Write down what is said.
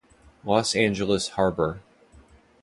Los Angeles harbor.